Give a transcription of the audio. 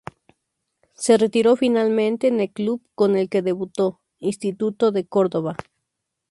Se retiró finalmente en el club con el que debutó, Instituto de Córdoba.